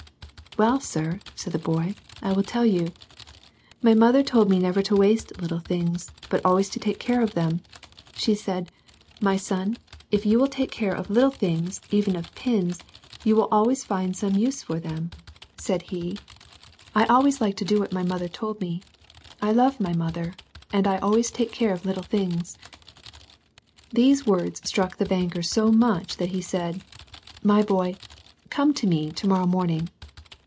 "—« Well, sir," said the boy, " I wUl tell you. My mother told me never to waste little things, but always to take caxe of them ! She said, ^My son, if you will taV^ cax^ ol \\\.^^ ^^wcMg. LITTLE THINGS. lOI even of pins, you will always find some use for them.'" — Said he, "I always like to do what my mother told me. I love my mother, and I always take care of little things." These words struck the banker so much that he said, " My boy, come to me to morrow morning."